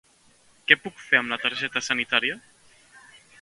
Què puc fer amb la targeta sanitària?